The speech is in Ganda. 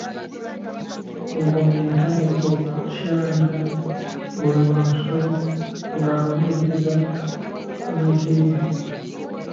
Waggoonya yatandika okukyalira buli wansolo ng'abuuliriza ku maggi ge.